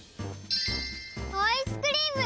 アイスクリーム！